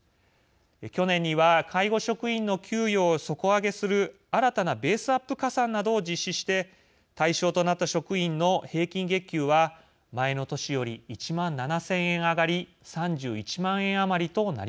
去年には介護職員の給与を底上げする新たなベースアップ加算などを実施して対象となった職員の平均月給は前の年より１万７，０００円上がり３１万円余りとなりました。